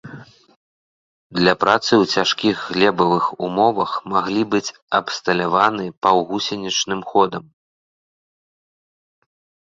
Для працы ў цяжкіх глебавых умовах маглі быць абсталяваны паўгусенічным ходам.